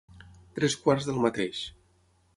Tres quarts del mateix.